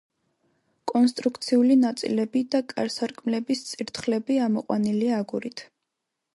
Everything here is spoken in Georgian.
კონსტრუქციული ნაწილები და კარ-სარკმლების წირთხლები ამოყვანილია აგურით.